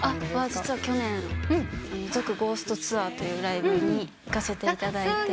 実は去年「続・ゴーストツアー」というライブに行かせていただいて。